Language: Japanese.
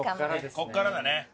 ここからですね。